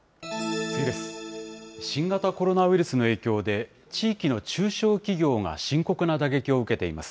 新型コロナウイルスの影響で、地域の中小企業が深刻な打撃を受けています。